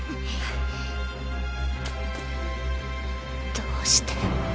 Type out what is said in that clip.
どうして？